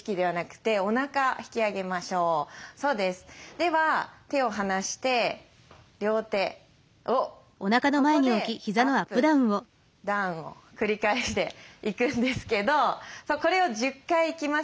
では手を離して両手をここでアップダウンを繰り返していくんですけどこれを１０回いきますよ。